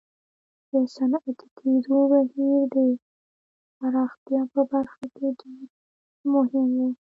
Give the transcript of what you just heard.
د صنعتي کېدو بهیر د پراختیا په برخه کې ډېر مهم و.